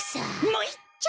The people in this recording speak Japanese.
もういっちょ！